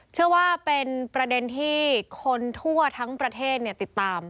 เชื่อว่าเป็นประเด็นที่คนทั่วทั้งประเทศติดตาม